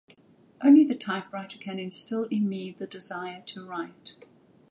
Only the typewriter can instil in me the desire to write.